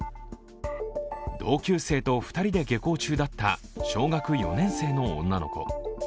同級生と２人で下校中だった小学４年生の女の子。